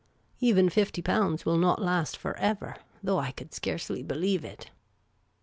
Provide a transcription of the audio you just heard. Even fifty pounds will not last forever, though I could scarcely believe it.